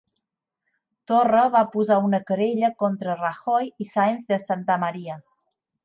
Torra va posar una querella contra Rajoy i Sáenz de Santamaría